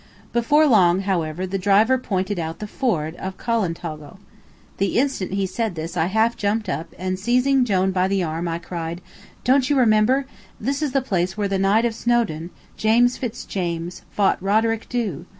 Before long, however, the driver pointed out the ford of Coilantogle. The instant he said this I half jumped up, and, seizing Jone by the arm, I cried, "Don't you remember? This is the place where the Knight of Snowdoun, James Fitz James, fought Roderick Dhu!"